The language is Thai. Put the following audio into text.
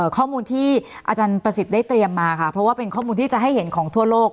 ข้อมูลที่อาจารย์ประสิทธิ์ได้เตรียมมาค่ะเพราะว่าเป็นข้อมูลที่จะให้เห็นของทั่วโลก